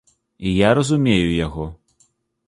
І я разумею яго.